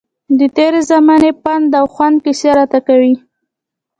د تېرې زمانې پند او خوند کیسې راته کوي.